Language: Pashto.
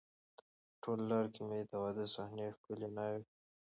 په ټوله لار کې مې د واده صحنې، ښکلې ناوې،